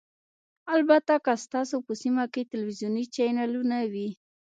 البته که ستاسو په سیمه کې تلویزیوني چینلونه وي